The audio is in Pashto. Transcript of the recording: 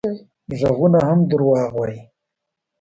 غږونه هم دروغ وايي